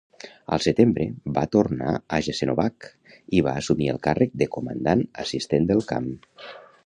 Al setembre, va tornar a Jasenovac i va assumir el càrrec de comandant assistent del camp.